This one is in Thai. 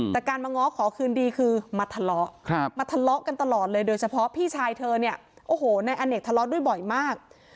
แต่การมาง้อขอคืนดีคือมาทะเลาะมาทะเลาะกันตลอดเลยโดยเฉพาะพี่ชายเธอเนี่ยโอ้โหนายอเนกทะเลาะด้วยบ่อยมาก